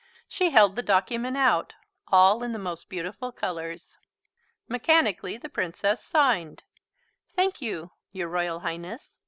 ... She held the document out all in the most beautiful colours. Mechanically the Princess signed. "Thank you, your Royal Highness."